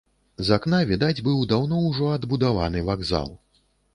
З акна відаць быў даўно ўжо адбудаваны вакзал.